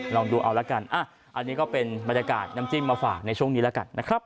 ลองดูเอาละกันอันนี้ก็เป็นบรรยากาศน้ำจิ้มมาฝากในช่วงนี้แล้วกันนะครับ